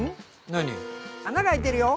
何「穴が開いてるよ」。